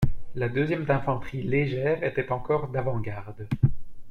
La deuxième d'infanterie légère était encore d'avant-garde.